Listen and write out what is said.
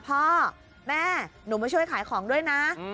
พ่อแม่หนูมาช่วยขายของด้วยนะ